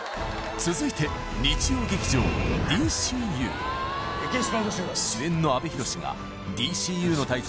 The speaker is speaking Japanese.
続いて日曜劇場「ＤＣＵ」主演の阿部寛がＤＣＵの隊長